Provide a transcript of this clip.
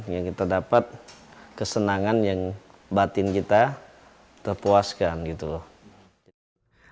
yang kita dapat kesenangan yang batin kita terpuaskan gitu loh